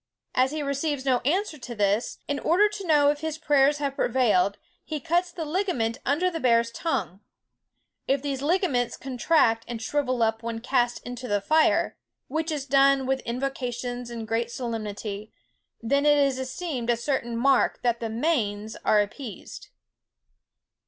As he receives no answer to this, in order to know if his prayers have prevailed, he cuts the ligament under the bear's tongue. If these ligaments contract and shrivel up when cast into the fire, which is done with invocations and great solemnity, then it is esteemed a certain mark that the manes are appeased."